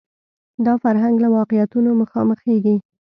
دا فرهنګ له واقعیتونو مخامخېږي